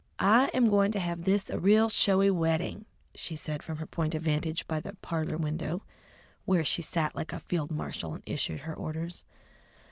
"I am going to have this a real showy wedding," she said from her point of vantage by the parlour window, where she sat like a field marshal and issued her orders.